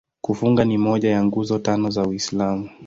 Kufunga ni moja ya Nguzo Tano za Uislamu.